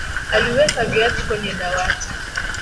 Aliweka viatu kwenye dawati